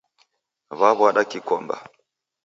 Waw'ada kikomba